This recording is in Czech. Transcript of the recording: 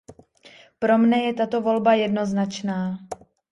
Pro mne je tato volba jednoznačná.